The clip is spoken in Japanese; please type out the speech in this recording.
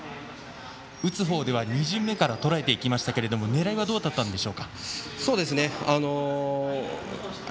打つほうでは２巡目からとらえていきましたけど狙いはどうだったんでしょうか。